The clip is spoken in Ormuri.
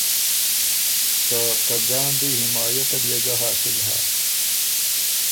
که ته ګاندهی حمايت ال يې ګۀ حاصل هۀ۔